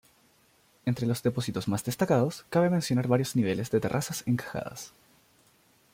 Entre los depósitos más destacados, cabe mencionar varios niveles de terrazas encajadas.